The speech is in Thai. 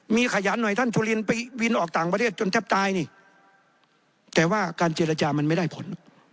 มีขยันหน่อยท่านจุลินไปวินออกต่างประเทศจนแทบตายนี่แต่ว่าการเจรจามันไม่ได้ผล